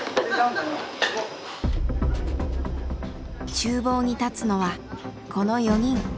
ちゅう房に立つのはこの４人。